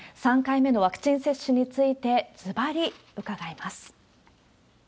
３回目のワクチン接種について、ずばり伺います。